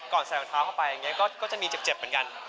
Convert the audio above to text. ก่อนใส่มันเท้าเข้าไปก็จะมีเจ็บเหมือนกัน